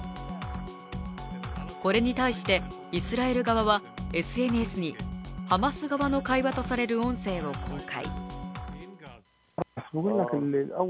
これに対してイスラエル側はＳＮＳにハマス側の会話とされる音声を公開。